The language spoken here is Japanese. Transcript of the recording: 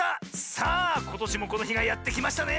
さあことしもこのひがやってきましたね。